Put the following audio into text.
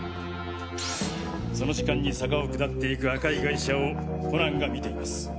その時間に坂を下っていく赤い外車をコナンが見ています。